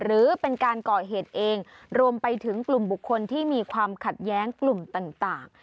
หรือเป็นการก่อเหตุเองรวมไปถึงกลุ่มบุคคลที่มีความขัดแย้งกลุ่มต่าง